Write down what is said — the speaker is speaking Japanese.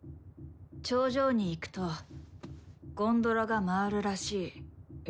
頂上に行くとゴンドラが回るらしいよ。